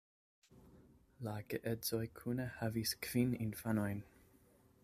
La geedzoj kune havis kvin infanojn.